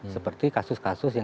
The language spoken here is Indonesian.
seperti kasus kasus yang